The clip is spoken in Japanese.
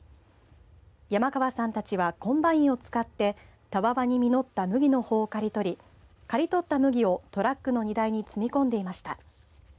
山川さんたちはコンバインを使ってたわわに実った麦の穂を刈り取り刈り取った麦をトラックの荷台に積み込んでいました。